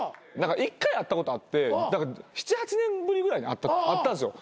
１回会ったことあって７８年ぶりぐらいに会ったんですよ。